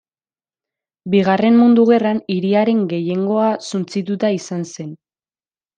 Bigarren Mundu Gerran hiriaren gehiengoa suntsitua izan zen.